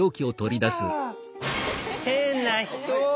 変な人。